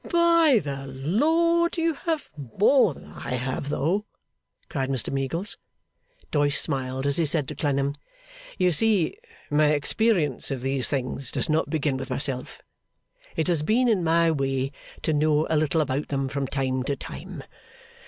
'By the Lord, you have more than I have, though!' cried Mr Meagles. Doyce smiled, as he said to Clennam, 'You see, my experience of these things does not begin with myself. It has been in my way to know a little about them from time to time.